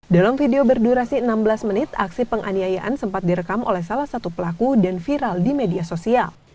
dalam video berdurasi enam belas menit aksi penganiayaan sempat direkam oleh salah satu pelaku dan viral di media sosial